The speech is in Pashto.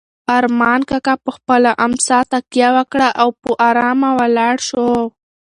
ارمان کاکا په خپله امسا تکیه وکړه او په ارامه ولاړ شو.